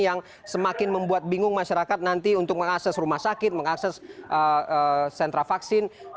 yang semakin membuat bingung masyarakat nanti untuk mengakses rumah sakit mengakses sentra vaksin